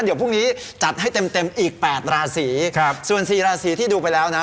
เดี๋ยวพรุ่งนี้จัดให้เต็มเต็มอีกแปดราศีครับส่วนสี่ราศีที่ดูไปแล้วนะ